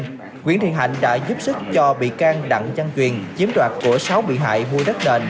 nguyễn thị hạnh đã giúp sức cho bị can rặn gian truyền chiếm đoạt của sáu vị hại mua đất nền